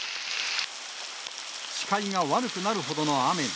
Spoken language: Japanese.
視界が悪くなるほどの雨に。